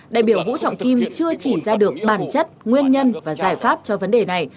đại biểu vũ trọng kim chưa chỉ ra được bản chất nguyên nhân và giải pháp cho vấn đề này